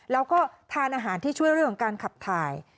แล้วก็ทานอาหารที่ช่วยเรื่องของการขับถ่าย